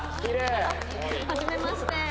はじめまして。